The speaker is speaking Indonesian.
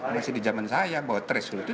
masih di zaman saya bahwa threshold itu